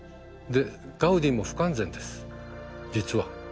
ガウディも不完全です実は。